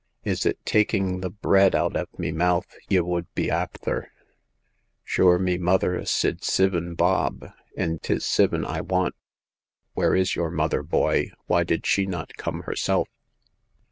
" Is it taking the bread out The Eighth Customer. 205 av me mouth ye w'uld be afther ? Sure, me mother sid sivin bob, an' 'tis sivin I want." Where is your mother, boy ? Why did she not come herself